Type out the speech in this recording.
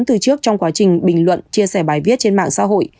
từ trước trong quá trình bình luận chia sẻ bài viết trên mạng xã hội